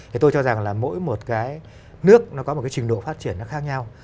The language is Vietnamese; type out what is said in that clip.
thì tôi cho rằng là mỗi một cái nước nó có một cái trình độ phát triển nó khác nhau